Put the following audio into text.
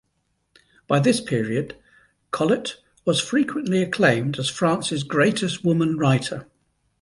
By this period Colette was frequently acclaimed as France's greatest woman writer.